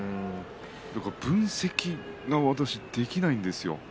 分析が私できないんですよ。